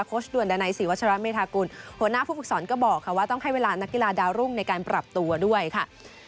ด่วนดานัยศรีวัชราเมธากุลหัวหน้าผู้ฝึกสอนก็บอกค่ะว่าต้องให้เวลานักกีฬาดาวรุ่งในการปรับตัวด้วยค่ะ